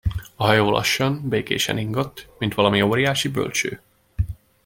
A hajó lassan, békésen ingott, mint valami óriási bölcső.